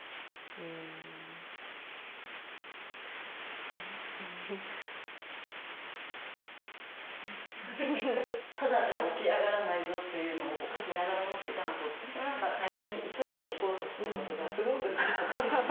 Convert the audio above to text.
うん「ただじゃ起き上がらないぞ」というのを聞きながら思ってたのとなんか最初に急いで聞こうとしたことがすごく納得しました。